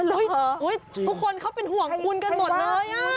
เออเหรอจริงทุกคนเขาเป็นห่วงคุณกันหมดเลย